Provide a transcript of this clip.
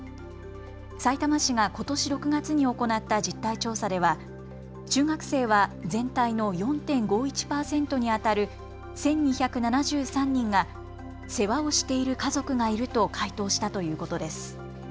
さいたま市がことし６月に行った実態調査では中学生は全体の４．５１％にあたる１２７３人が世話をしている家族がいると回答したということです。